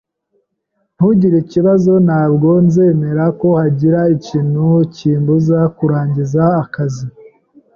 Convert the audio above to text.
Ntugire ikibazo. Ntabwo nzemera ko hagira ikintu kimbuza kurangiza akazi.